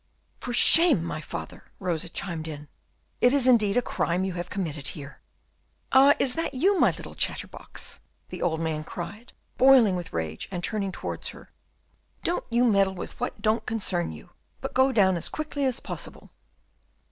"For shame, my father," Rosa chimed in, "it is indeed a crime you have committed here." "Ah, is that you, my little chatter box?" the old man cried, boiling with rage and turning towards her; "don't you meddle with what don't concern you, but go down as quickly as possible."